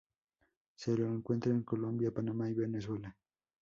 Se lo encuentra en Colombia, Panamá, y Venezuela.